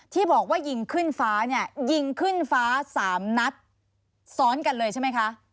ที่บอกว่ายิงขึ้นฟ้าเนี่ยยิงขึ้นฟ้า๓นัดซ้อนกันเลยใช่ไหมคะ